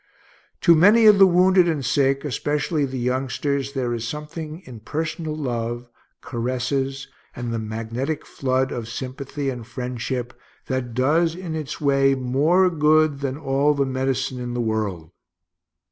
To many of the wounded and sick, especially the youngsters, there is something in personal love, caresses, and the magnetic flood of sympathy and friendship, that does, in its way, more good than all the medicine in the world.